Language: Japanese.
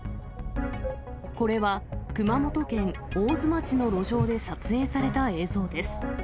これは熊本県大津町の路上で撮影された映像です。